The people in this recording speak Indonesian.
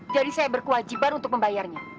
jadi saya berkewajiban untuk membayarnya